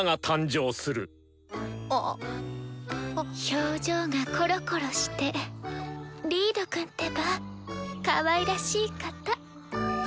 表情がコロコロしてリードくんってばかわいらしい方。